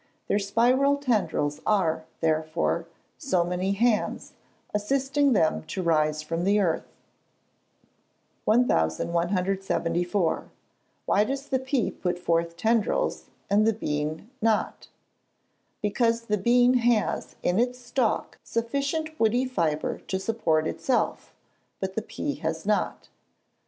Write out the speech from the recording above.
Their spiral tendrils are, therefore, so many hands, assisting them to rise from the earth. 1174. Why does the pea put forth tendrils, and the bean not? Because the bean has in its stalk sufficient woody fibre to support itself, but the pea has not.